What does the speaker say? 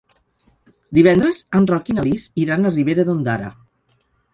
Divendres en Roc i na Lis iran a Ribera d'Ondara.